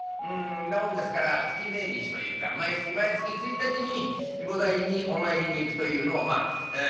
なもんですから月命日というか毎月毎月１日に菩提寺にお参りに行くというのをまあ常にしている。